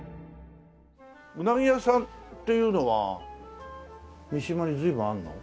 うなぎ屋さんっていうのは三島に随分あるの？